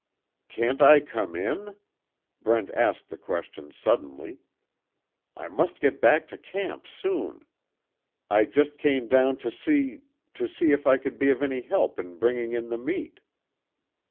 "Can't I come in?" Brent asked the question suddenly. "I must get back to camp soon. I just came down to see to see if I could be of any help in bringing in the meat."